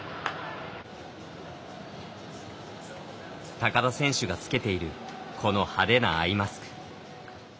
高田選手がつけているこの派手なアイマスク。